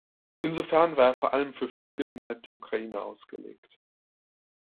Insofern war er vor allem für Flüge innerhalb der Ukraine ausgelegt.